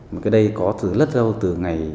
một cái đây có từ